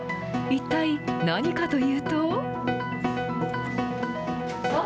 一体何かというと。